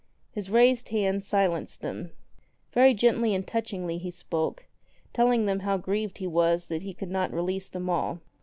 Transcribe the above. His raised hand silenced them. Very gently and touchingly he spoke, telling them how grieved he was that he could not release them all.